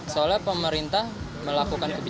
seolah pemerintah melakukan kemasan